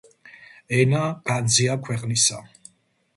ენა განძია ქვეყნისა